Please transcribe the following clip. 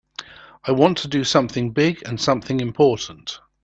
I want to do something big and something important.